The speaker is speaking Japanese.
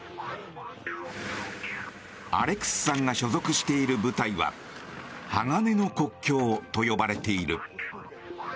アレクスさんが所属している部隊は鋼の国境と呼ばれている。